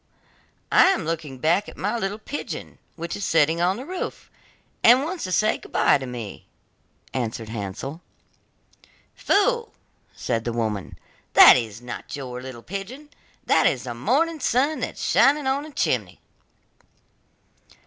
'I am looking back at my little pigeon which is sitting on the roof, and wants to say goodbye to me,' answered Hansel. 'Fool!' said the woman, 'that is not your little pigeon, that is the morning sun that is shining on the chimney.